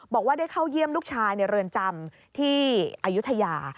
บอกว่าได้เข้าเยี่ยมลูกชายในเรือนจำที่อายุทยา